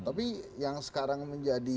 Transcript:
tapi yang sekarang menjadi